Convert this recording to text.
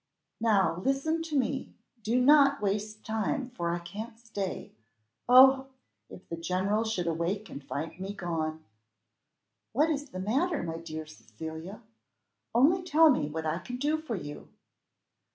"Now listen to me do not waste time, for I can't stay. Oh! if the general should awake and find me gone." "What is the matter, my dear Cecilia? Only tell me what I can do for you."